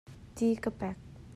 Tii ka pek.